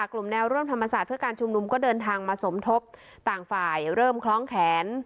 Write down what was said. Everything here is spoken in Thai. กลุ่มแนวร่วมธรรมศาสตร์เพื่อการชุมนุมก็เดินทางมาสมทบต่างฝ่ายเริ่มคล้องแขน